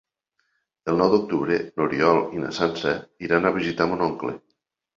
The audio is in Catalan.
El nou d'octubre n'Oriol i na Sança iran a visitar mon oncle.